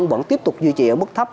vẫn tiếp tục duy trì ở mức thấp